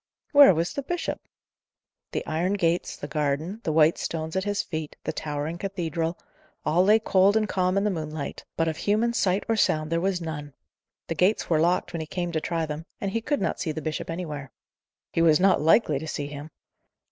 Where was the bishop? The iron gates, the garden, the white stones at his feet, the towering cathedral, all lay cold and calm in the moonlight, but of human sight or sound there was none. The gates were locked when he came to try them, and he could not see the bishop anywhere. He was not likely to see him.